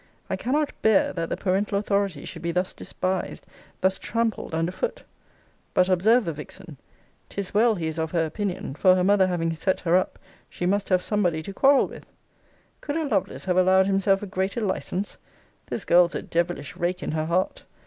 I cannot bear, that the parental authority should be thus despised, thus trampled under foot. But observe the vixen, ''Tis well he is of her opinion; for her mother having set her up, she must have somebody to quarrel with.' Could a Lovelace have allowed himself a greater license? This girl's a devilish rake in her heart.